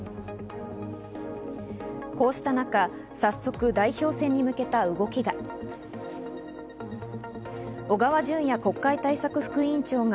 こうした中、早速代表戦に向けた動きが。